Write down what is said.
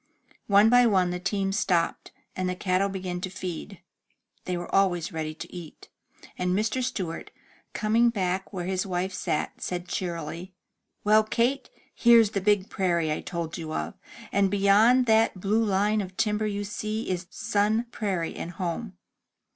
One by one the teams stopped, and the cattle began to feed (they were always ready to eat), and Mr. Stewart, coming back where his wife sat, said cheerily: "Well, Kate, here's the big prairie I told you of, and beyond that blue line of timber you see is Sun Prairie, and home.''